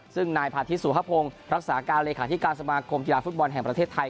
ซึ่งนายพาธิสุภพงศ์รักษาการเลขาธิการสมาคมกีฬาฟุตบอลแห่งประเทศไทย